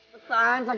pesan sakit banget nih